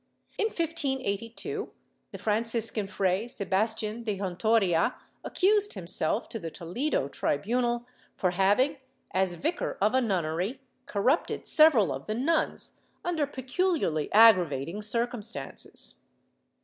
In 1582, the Franciscan Fray Sebastian de Hontoria accused himself to the Toledo tribunal for having, as vicar of a nunnery, corrupted several of the nuns under peculiarly aggravating circumstances.